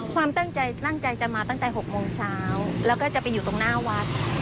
ความตั้งใจชั้นจะมาตั้งแต่๑๖๐๐นและจะไปอยู่ตรงหน้าวัด